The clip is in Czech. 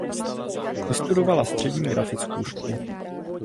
Vystudovala Střední grafickou školu.